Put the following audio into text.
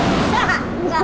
enak enak enak enak